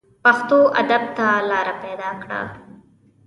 پښتو ادب ته لاره پیدا کړه